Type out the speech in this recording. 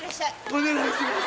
お願いします。